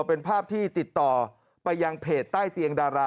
เป็นภาพที่ติดต่อไปยังเพจใต้เตียงดารา